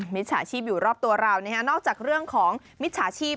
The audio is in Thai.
มิจฉาชีพอยู่รอบตัวเรานอกจากเรื่องของมิจฉาชีพ